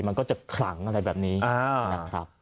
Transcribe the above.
มันก็จะขลังอะไรแบบนี้นะครับ